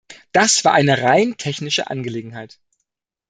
Das war eine rein technische Angelegenheit.